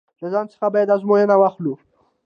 له ځان څخه باید ازموینه واخلو.